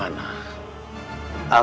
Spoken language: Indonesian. aku hendak menemukan dia